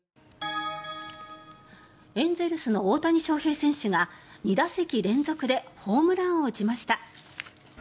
エンゼルスの大谷翔平選手が２打席連続でホームランを打ちました。